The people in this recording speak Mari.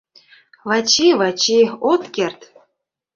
— Вачи, Вачи, от керт!